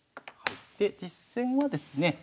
で実戦はですね